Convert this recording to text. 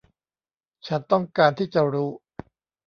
ฉันต้องการที่จะรู้